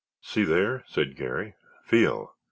"See there?" said Garry. "Feel.